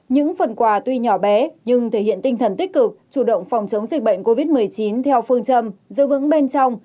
những phần quà tuy nhỏ bé nhưng thể hiện tinh thần tích cực chủ động phòng chống dịch bệnh covid một mươi chín theo phương châm